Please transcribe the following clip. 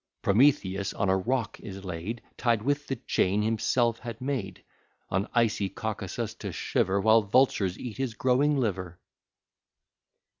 Prometheus on a rock is laid, Tied with the chain himself had made, On icy Caucasus to shiver, While vultures eat his growing liver.